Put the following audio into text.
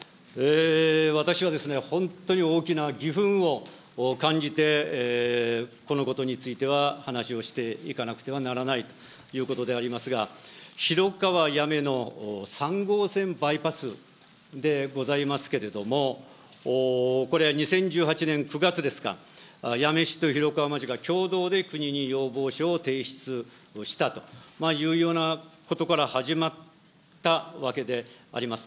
私は本当に大きなぎふんを感じて、このことについては、話をしていかなくてはならないと思いますが、広川・八女の３号線バイパスでございますけれども、これは２０１８年９月ですか、八女市と広川町が共同で国に要望書を提出したというようなことから始まったわけであります。